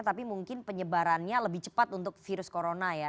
tapi mungkin penyebarannya lebih cepat untuk virus corona ya